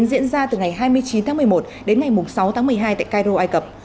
diễn ra từ ngày hai mươi chín tháng một mươi một đến ngày sáu tháng một mươi hai tại cairo ai cập